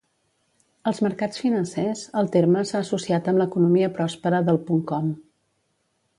Als mercats financers, el terme s'ha associat amb l'economia pròspera del punt com.